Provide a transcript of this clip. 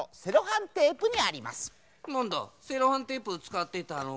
なんだセロハンテープつかってたのか。